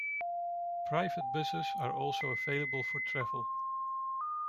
Private buses are also available for travel.